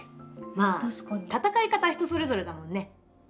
まあ戦い方は人それぞれだもんね。